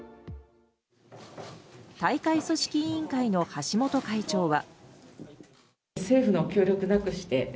大会組織委員会の橋本会長は。